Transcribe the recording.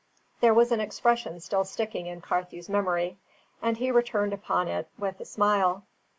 There was an expression still sticking in Carthew's memory, and he returned upon it with a smile.